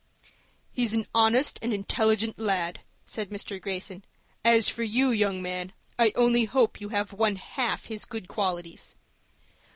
"He's an honest and intelligent lad," said Mr. Greyson. "As for you, young man, I only hope you have one half his good qualities."